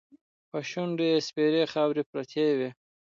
په شونډو یې سپېرې خاوې پرتې وې.